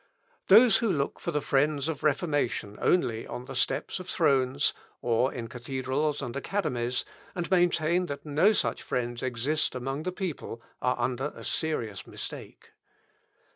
Those who look for the friends of reformation only on the steps of thrones, or in cathedrals and academies, and maintain that no such friends exist among the people, are under a serious mistake.